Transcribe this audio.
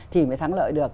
thì mới thắng lợi được